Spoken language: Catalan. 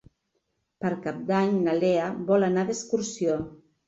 Per Cap d'Any na Lea vol anar d'excursió.